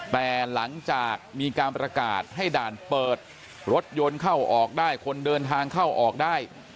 แต่หลังจากมีการประกาศให้ด่านเปิดรถยนต์เข้าออกได้คนเดินทางเข้าออกได้